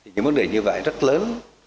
những vấn đề như vậy rất lớn